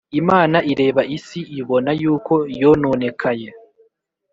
Imana ireba isi ibona yuko yononekaye